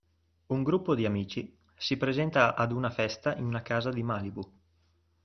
Un gruppo di amici si presenta ad una festa in una casa di Malibu.